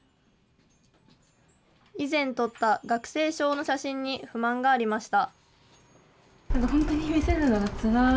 以前撮った学生証の写真に不満がありました。